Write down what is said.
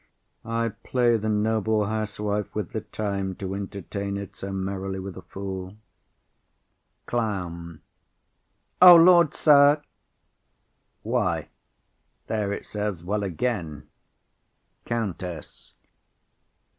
I play the noble housewife with the time, to entertain it so merrily with a fool. CLOWN. O Lord, sir! Why, there't serves well again. COUNTESS.